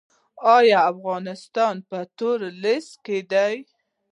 آیا افغانستان په تور لیست کې دی؟